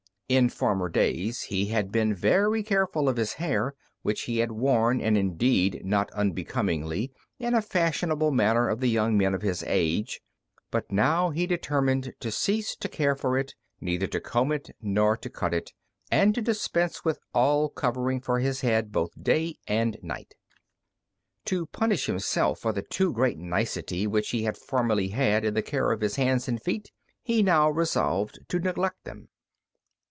In former days he had been very careful of his hair, which he had worn, and, indeed, not unbecomingly, in the fashionable manner of the young men of his age; but now he determined to cease to care for it, neither to comb it nor to cut it, and to dispense with all covering for his head both day and night. To punish himself for the too great nicety which he had formerly had in the care of his hands and feet, he now resolved to neglect them.